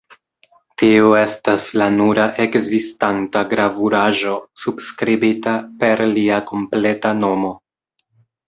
Tiu estas la nura ekzistanta gravuraĵo subskribita per lia kompleta nomo.